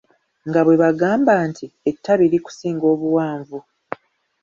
Nga bwe bagamba nti, ettabi likusinga obuwanvu!